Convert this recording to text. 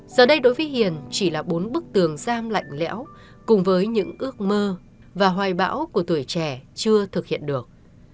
giờ đây đối với hiền chỉ là bốn bức tường giam lạnh lẽo cùng với những ước mơ và hoài bão của tuổi trẻ chưa thực hiện được